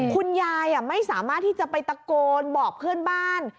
คุณยายไม่สามารถที่จะไปตะโกนบอกเพื่อนบ้าน